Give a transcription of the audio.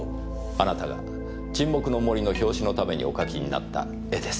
あなたが『沈黙の森』の表紙のためにお描きになった絵です。